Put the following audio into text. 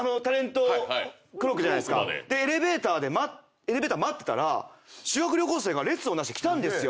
エレベーター待ってたら修学旅行生が列を成して来たんですよ。